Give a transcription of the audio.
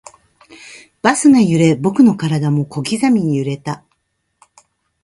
バスが揺れ、僕の体も小刻みに揺れた